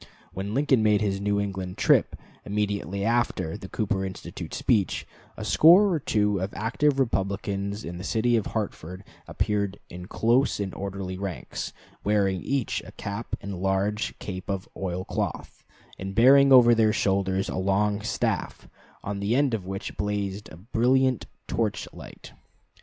When Lincoln made his New England trip, immediately after the Cooper Institute speech, a score or two of active Republicans in the city of Hartford appeared in close and orderly ranks, wearing each a cap and large cape of oil cloth, and bearing over their shoulders a long staff, on the end of which blazed a brilliant torch light.